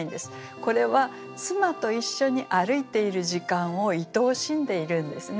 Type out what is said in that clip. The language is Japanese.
これは妻と一緒に歩いている時間をいとおしんでいるんですね。